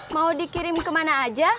mau dikirim kemana aja